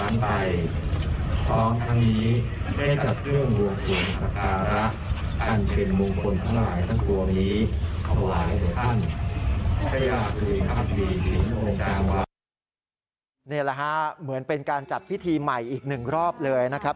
นี่แหละฮะเหมือนเป็นการจัดพิธีใหม่อีกหนึ่งรอบเลยนะครับ